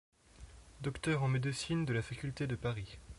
Docteur en Médecine de la Faculté de Paris.